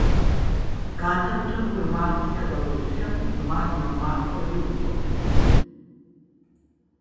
განსაკუთრებული მარხვისა და ლოცვისათვის მას მმარხველი უწოდეს.